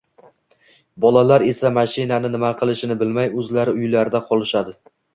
Bolalar esa mashinani nima qilishini bilmay, o`zlari uylarida qolishadi